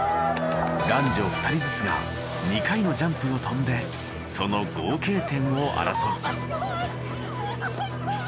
男女２人ずつが２回のジャンプを飛んでその合計点を争う。